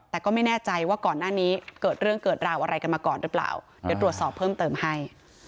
แต่ก็ไม่แน่ใจว่าก่อนหน้านี้เกิดเรื่องเกิดราวอะไรกันมาก่อนหรือเปล่าเดี๋ยวตรวจสอบเพิ่มเติมให้